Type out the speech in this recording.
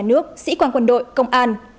nhà nước sĩ quan quân đội công an